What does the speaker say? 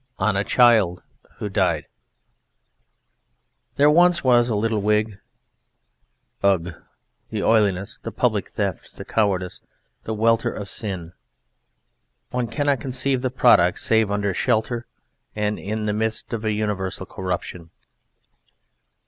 ON A CHILD WHO DIED There was once a little Whig.... Ugh! The oiliness, the public theft, the cowardice, the welter of sin! One cannot conceive the product save under shelter and in the midst of an universal corruption.